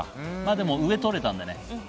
でも上とれたんでね。